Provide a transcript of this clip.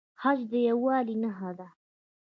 حج د یووالي نښه ده